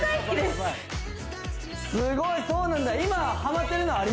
すごいそうなんだ